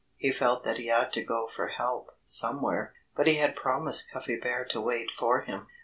He felt that he ought to go for help, somewhere. But he had promised Cuffy Bear to wait for him.